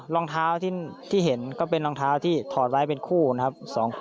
รองเท้าที่เห็นก็เป็นรองเท้าที่ถอดไว้เป็นคู่นะครับ